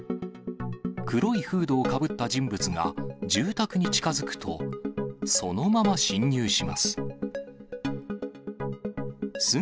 黒いフードをかぶった人物が住宅に近づくと、そのまま侵入します。